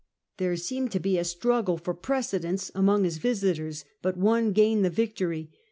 There seemed to be a struggle for precedence among his visitors, but one gained the victory.